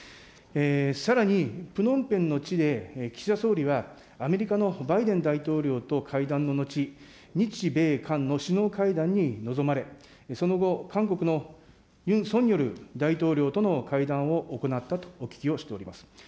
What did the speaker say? さらにプノンペンの地で岸田総理は、アメリカのバイデン大統領と会談の後、日米韓の首脳会談に臨まれ、その後、韓国のユン・ソンニョル大統領との会談を行ったとお聞きをしております。